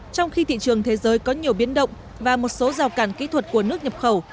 trong khi thị trường thế giới có nhiều biến động và một số rào cản kỹ thuật của nước nhập khẩu